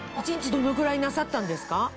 一日どのぐらいなさったんですか？